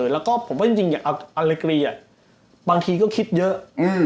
แล้วก็ผมว่าจริงอย่างอัลเลกรีบางทีก็คิดเยอะ